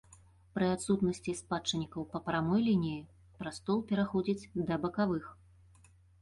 Пры адсутнасці спадчыннікаў па прамой лініі, прастол пераходзіць да бакавых.